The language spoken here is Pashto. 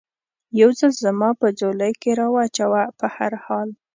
یو ځل زما په ځولۍ کې را و چوه، په هر حال.